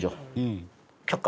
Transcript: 却下。